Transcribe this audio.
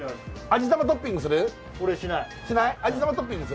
味玉トッピングする？